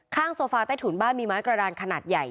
โซฟาใต้ถุนบ้านมีไม้กระดานขนาดใหญ่